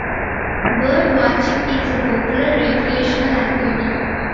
Bird watching is a popular recreational activity.